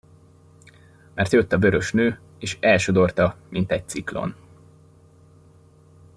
Mert jött a vörös nő, és elsodorta, mint egy ciklon.